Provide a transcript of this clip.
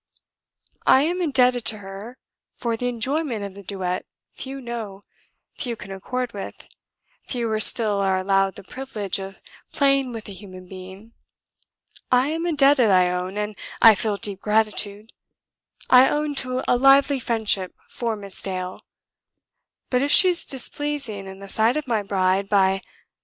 I am indebted to her for the enjoyment of the duet few know, few can accord with, fewer still are allowed the privilege of playing with a human being. I am indebted, I own, and I feel deep gratitude; I own to a lively friendship for Miss Dale, but if she is displeasing in the sight of my bride by ...